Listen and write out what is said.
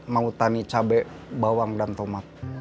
mau tani cabai bawang dan tomat